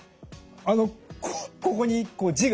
あのここに字が。